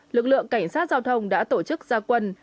lực lượng cảnh sát giao thông đã tổ chức gia quân